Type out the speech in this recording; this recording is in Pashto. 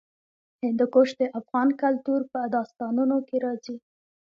هندوکش د افغان کلتور په داستانونو کې راځي.